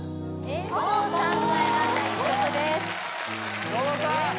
遠藤さん